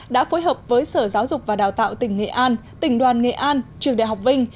đã phối hợp với sở giáo dục và đào tạo tỉnh nghệ an tỉnh đoàn nghệ an trường đại học vinh